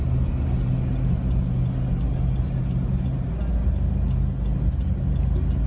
พี่เข้าใจผิดแล้ว